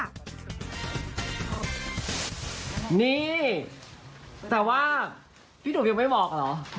นี่แต่ว่าพี่หนุ่มยังไม่บอกเหรอ